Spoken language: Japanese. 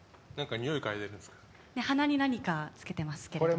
鼻に何かつけてますけど。